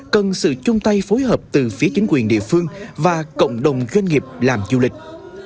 tổ chức từ phía chính quyền địa phương và cộng đồng doanh nghiệp làm du lịch